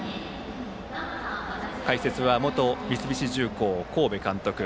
解説、元三菱重工神戸監督